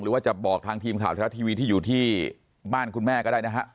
หรือว่าจะบอกทางทีมข่าวทีวีที่อยู่ที่บ้านคุณแม่ก็ได้นะครับ